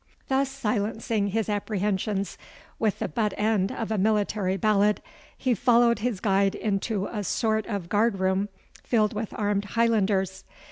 Thus silencing his apprehensions with the but end of a military ballad, he followed his guide into a sort of guard room filled with armed Highlanders.